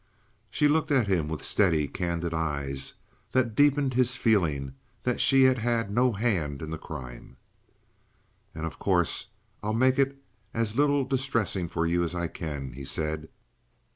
She looked at him with steady, candid eyes that deepened his feeling that she had had no hand in the crime. "And, of course, I'll make it as little distressing for you as I can," he said.